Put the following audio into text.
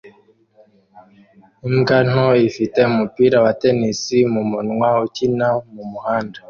Imbwa nto ifite umupira wa tennis mumunwa ukina mumuhanda